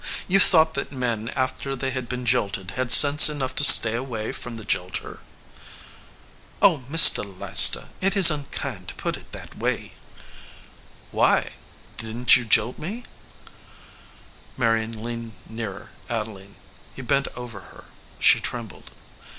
"You thought that men after they had been jilted had sense enough to stay away from the jilter?" "Oh, Mr. Leicester, it is unkind to put it that way." 63 EDGEWATER PEOPLE "Why? Didn t you jilt me?" Marion leaned nearer Adeline. He bent over her. She trembled.